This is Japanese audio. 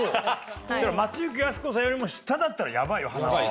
だから松雪泰子さんよりも下だったらやばいよはなわは。